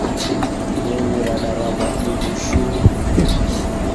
Nyonyi radarama ighu shuu.